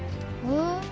うん。